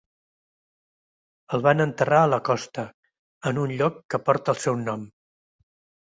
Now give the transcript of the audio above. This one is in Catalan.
El van enterrar a la costa, en un lloc que porta el seu nom.